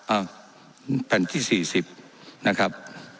อ้าวแผ่นที่สี่สิบนะครับ